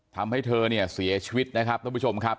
ทำให้เธอเนี่ยเสียชีวิตนะครับท่านผู้ชมครับ